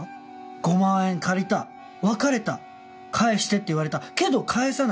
５万円借りた別れた返してって言われたけど返さない。